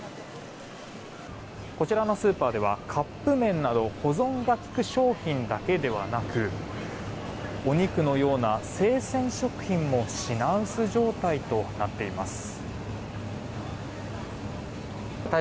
こちらのスーパーではカップ麺など保存が利く商品だけではなくお肉のような生鮮食品も品薄状態となっています。